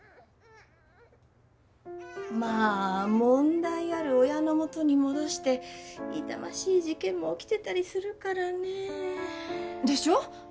まあ問題ある親のもとに戻して痛ましい事件も起きてたりするからねでしょ？